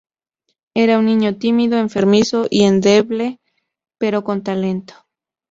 Era un niño tímido, enfermizo y endeble, pero con talento.